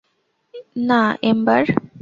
না, এম্বার।